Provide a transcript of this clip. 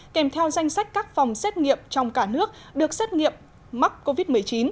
kèm theo danh sách các phòng xét nghiệm trong cả nước được xét nghiệm mắc covid một mươi chín